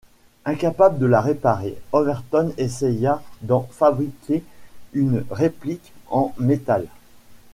Incapable de la réparer, Overton essaya d'en fabriquer une réplique en métal.